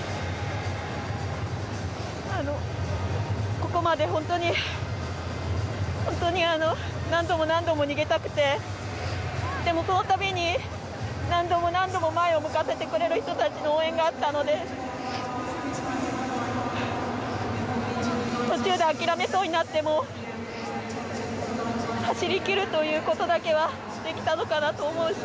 ここまで本当に何度も何度も逃げたくてでも、その度に、何度も何度も前を向かせてくれる人たちの応援があったので途中で諦めそうになっても走りきるということだけはできたのかなと思うし。